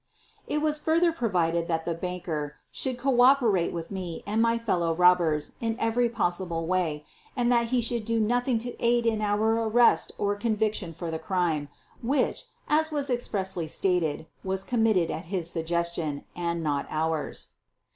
It was further provided that the banker should co operate with me and my fellow robbers in every pos sible way, and that he should do nothing to aid in our arrest or conviction for the crime, which, as was expressly stated, was committed at his suggestion, and not ours.